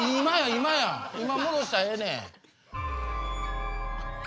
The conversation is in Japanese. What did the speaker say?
今戻したらええねん。